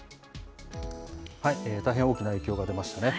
大変大きな影響が出ましたね。